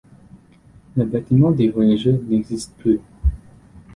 Le bâtiment des voyageurs n'existe plus.